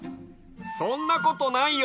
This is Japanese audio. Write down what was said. そんなことないよ。